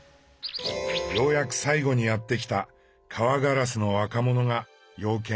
ようやく最後にやって来たカワガラスの若者が用件を聞き終え